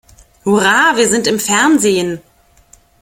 Hurra, wir sind im Fernsehen!